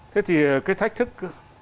thế thì cái thách thức